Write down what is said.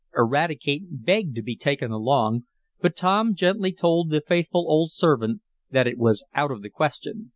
Eradicate begged to be taken along, but Tom gently told the faithful old servant that it was out of the question.